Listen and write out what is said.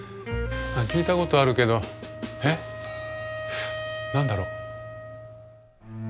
聞いたことあるけどえっ何だろう？